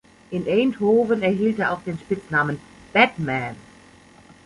In Eindhoven erhielt er auch den Spitznamen „Batman“.